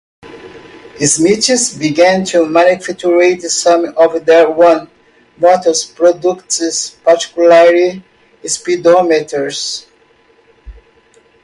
Smiths began to manufacture some of their own motor products particularly speedometers.